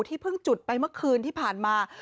เพิ่งจุดไปเมื่อคืนที่ผ่านมา